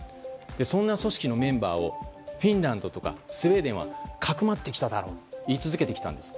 そんな組織のメンバーをフィンランドとかスウェーデンはかくまってきただろうと言い続けてきたんです。